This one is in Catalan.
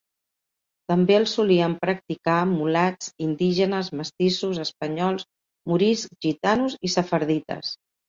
També el solien practicar mulats, indígenes, mestissos, espanyols, moriscs, gitanos i sefardites.